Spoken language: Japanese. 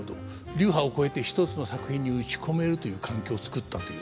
流派を超えて一つの作品に打ち込めるという環境を作ったという。